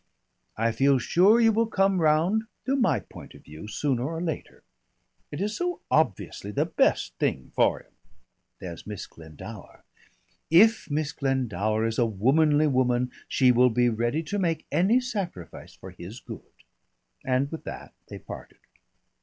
"I feel sure you will come round to my point of view sooner or later. It is so obviously the best thing for him." "There's Miss Glendower." "If Miss Glendower is a womanly woman, she will be ready to make any sacrifice for his good." And with that they parted.